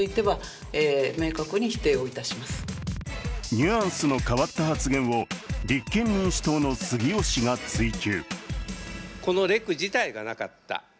ニュアンスの変わった発言を立憲民主党の杉尾氏が追及。